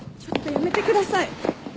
やめてください！